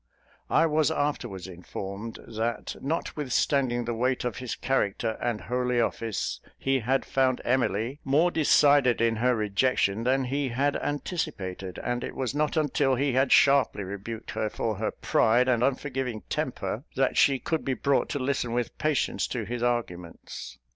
I was afterwards informed, that notwithstanding the weight of his character and holy office, he had found Emily more decided in her rejection than he had anticipated; and it was not until he had sharply rebuked her for her pride and unforgiving temper, that she could be brought to listen with patience to his arguments.